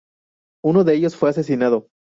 Uno de ellos fue asesinado.